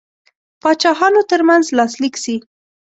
پاچاهانو ترمنځ لاسلیک سي.